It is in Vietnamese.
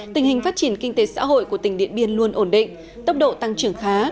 tình hình phát triển kinh tế xã hội của tỉnh điện biên luôn ổn định tốc độ tăng trưởng khá